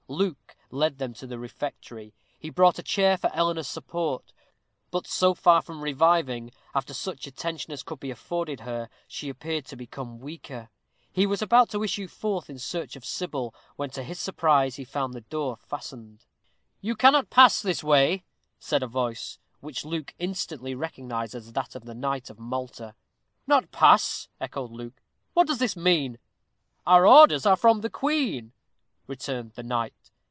Luke led them to the refectory. He brought a chair for Eleanor's support; but so far from reviving, after such attention as could be afforded her, she appeared to become weaker. He was about to issue forth in search of Sybil, when to his surprise he found the door fastened. "You cannot pass this way," said a voice, which Luke instantly recognized as that of the knight of Malta. "Not pass!" echoed Luke. "What does this mean?" "Our orders are from the queen," returned the knight.